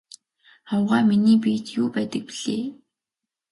Авгай миний биед юу байдаг билээ?